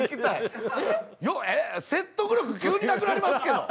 説得力急になくなりますけど。